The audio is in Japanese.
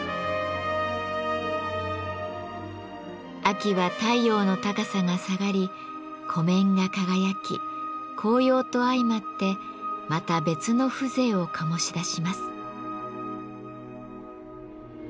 秋は太陽の高さが下がり湖面が輝き紅葉と相まってまた別の風情を醸し出します。